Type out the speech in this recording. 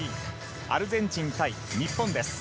アルゼンチン対日本です。